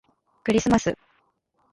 クリスマス